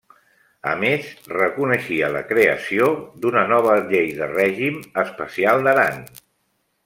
A més, reconeixia la creació d'una nova llei de règim especial d'Aran.